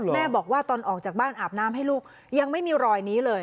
แม่บอกว่าตอนออกจากบ้านอาบน้ำให้ลูกยังไม่มีรอยนี้เลย